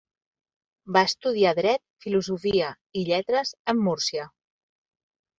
Va estudiar Dret, Filosofia i Lletres en Múrcia.